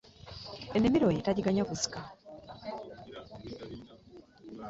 Ennimiro ye tagiganya kuzika